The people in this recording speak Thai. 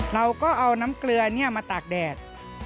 เราก็เอาน้ำเกลือมาตากแดด